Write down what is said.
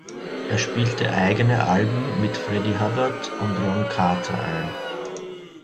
Er spielte eigene Alben mit Freddie Hubbard und Ron Carter ein.